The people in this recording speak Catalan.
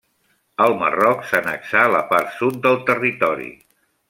El Marroc s'annexà la part sud del territori.